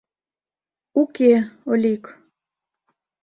— Уке, Олик...